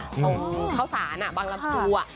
ตรงเข้าสานบางรับตัว